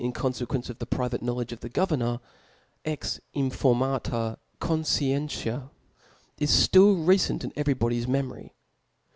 in confeauence of the private knowledge of the governor, ex informntk co^cientia; h ftill r^ceAt irt every bodyS memory.